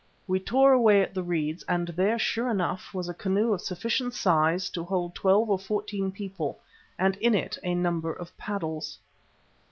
We tore away at the reeds, and there, sure enough, was a canoe of sufficient size to hold twelve or fourteen people, and in it a number of paddles.